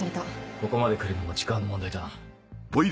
ここまで来るのも時間の問題だな。